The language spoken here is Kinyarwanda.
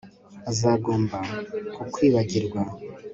Azagomba kukwibagirwa